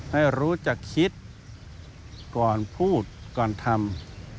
ให้รู้จักคิดก่อนพูดก่อนทำ